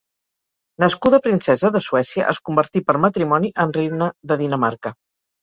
Nascuda princesa de Suècia es convertí per matrimoni en reina de Dinamarca.